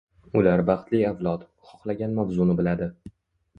Ular baxtli avlod, xohlagan mavzuni biladi.